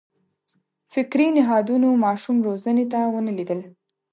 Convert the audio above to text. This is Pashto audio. فکري نهادونو ماشوم روزنې ته ونه لېدل.